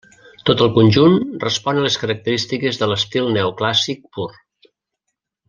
Tot el conjunt respon a les característiques de l'estil neoclàssic pur.